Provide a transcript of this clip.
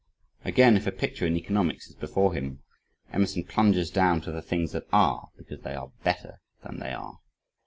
Again, if a picture in economics is before him, Emerson plunges down to the things that ARE because they are BETTER than they are.